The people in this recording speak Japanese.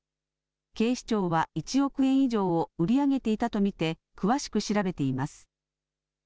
警視庁は１億円以上を売り上げていたと見て詳しく調べています。